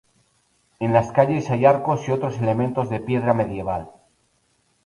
En las calles hay arcos y otros elementos de piedra medieval.